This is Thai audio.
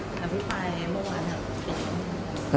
คำถามเรื่องการอธิภัยเมื่อวานอ่ะ